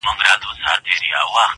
په هوا کي ماڼۍ نه جوړېږي.